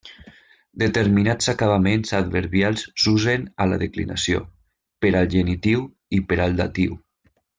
Determinats acabaments adverbials s'usen a la declinació: per al genitiu i per al datiu.